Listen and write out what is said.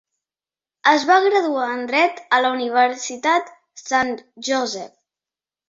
Es va graduar en Dret a la Universitat Saint Joseph.